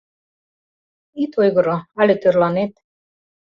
— Ит ойгыро, але тӧрланет.